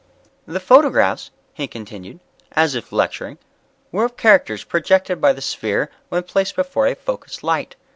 "_ "The photographs," he continued, as if lecturing, "were of characters projected by the sphere when placed before a focused light.